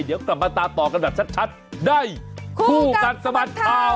เดี๋ยวกลับมาตาต่อกันแบบชัดชัดได้คู่กับสมัครเท้า